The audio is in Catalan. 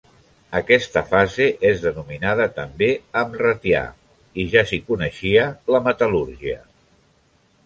Aquesta fase és denominada també amratià i ja s'hi coneixia la metal·lúrgia.